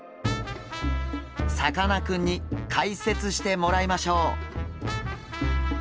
さかなクンに解説してもらいましょう。